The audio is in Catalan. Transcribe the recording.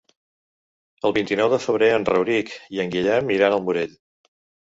El vint-i-nou de febrer en Rauric i en Guillem iran al Morell.